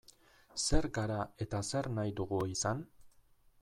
Zer gara eta zer nahi dugu izan?